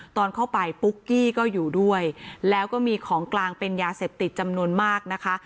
ตอนเข้าไปปุ๊กกี้ก็อยู่ด้วยแล้วก็มีของกลางเป็นยาเสพติดจำนวนมากนะคะ